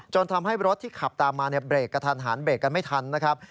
ทำให้รถที่ขับตามมาเบรกกระทันหันเบรกกันไม่ทันนะครับ